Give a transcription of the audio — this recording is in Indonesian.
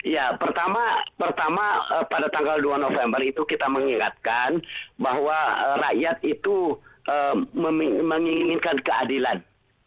ya pertama pada tanggal dua november itu kita mengingatkan bahwa rakyat itu menginginkan keadilan